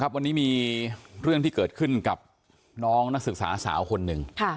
วันนี้มีเรื่องที่เกิดขึ้นกับน้องนักศึกษาสาวคนหนึ่ง